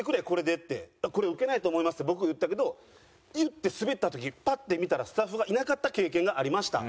「これウケないと思います」って僕言ったけど言ってスベった時パッて見たらスタッフがいなかった経験がありました。